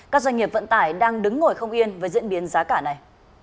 các doanh nghiệp vận tải đang đứng ngồi không yên với diễn biến giá cả này